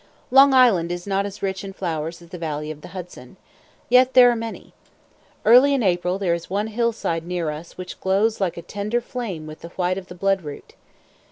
Long Island is not as rich in flowers as the valley of the Hudson. Yet there are many. Early in April there is one hillside near us which glows like a tender flame with the white of the bloodroot.